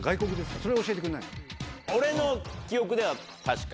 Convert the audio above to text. それ教えてくれないの？